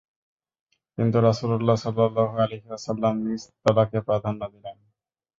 কিন্তু রাসূলুল্লাহ সাল্লাল্লাহু আলাইহি ওয়াসাল্লাম নিচ তলাকে প্রাধান্য দিলেন।